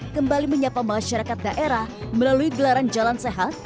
kembali menyapa masyarakat daerah melalui gelaran jalan sehat